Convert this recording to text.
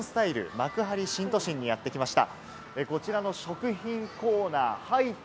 幕張新都心にやってきました。